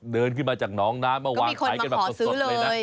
เดินขึ้นมาจากหนองน้ำมาวางขายกันแบบสดเลยนะ